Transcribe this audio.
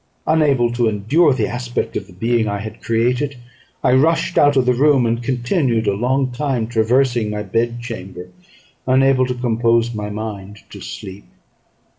Unable to endure the aspect of the being I had created, I rushed out of the room, and continued a long time traversing my bedchamber, unable to compose my mind to sleep.